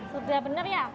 sudah bener ya